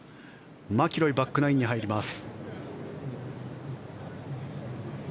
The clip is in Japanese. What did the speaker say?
マキロイバックナインに入ります。